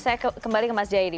saya kembali ke mas jayadi